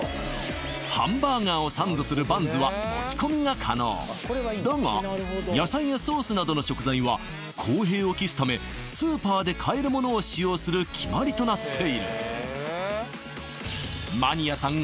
ハンバーガーをサンドするバンズは持ち込みが可能だが野菜やソースなどの食材は公平を期すためスーパーで買えるものを使用する決まりとなっている